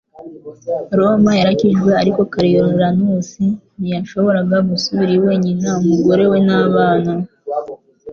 Roma yarakijijwe; ariko Coriolanus ntiyashoboraga gusubira iwe, nyina, umugore we n'abana.